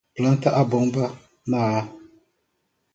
Planta a bomba na A